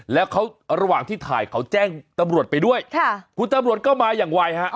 แล้วเขาระหว่างที่ถ่ายเขาแจ้งตำรวจไปด้วยค่ะคุณตำรวจก็มาอย่างไวฮะ